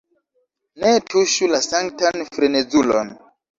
Ne tuŝu la sanktan frenezulon!